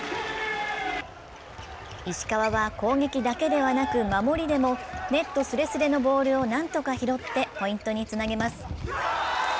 石川は攻撃だけではなく守りでもネットすれすれのボールを何とか拾ってポイントにつなげます。